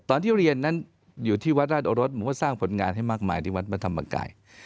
ตอนที่เรียนนั้นอยู่ที่วัดราชโอรสผมก็สร้างผลงานให้มากมายที่วัดพระธรรมกาย